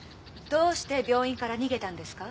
どうして病院から逃げたんですか？